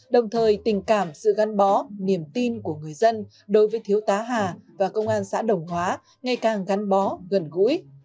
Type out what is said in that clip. đồng thời tình cảm sự gắn bó niềm tin của người dân đối với thiếu tá hà và công an xã đồng hóa ngày càng gắn bó gần gũi